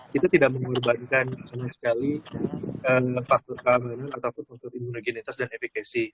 kita tidak mengorbankan sama sekali faktor keamanan ataupun faktor imunogenitas dan efekasi